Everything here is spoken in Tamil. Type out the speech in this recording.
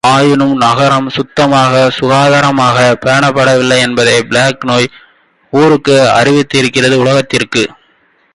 ஆயினும் நகரம் சுத்தமாக, சுகாதாரமாகப் பேணப்படவில்லை, என்பதை பிளேக் நோய் ஊருக்கு அறிவித்திருக்கிறது உலகத்திற்கு அறிவித்திருக்கிறது.